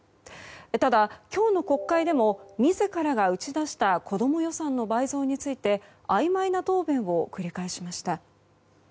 ただ、今日の国会でも自らが打ち出した子ども予算の倍増についてあいまいな答弁を繰り返しました。